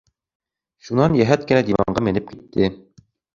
Шунан йәһәт кенә диванға менеп китте.